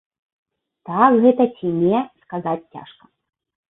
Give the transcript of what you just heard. Так гэта ці не, сказаць цяжка.